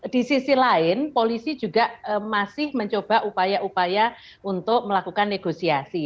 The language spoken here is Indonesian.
di sisi lain polisi juga masih mencoba upaya upaya untuk melakukan negosiasi